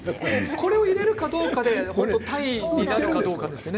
これを入れるかどうかでタイになるかどうかなんですよね。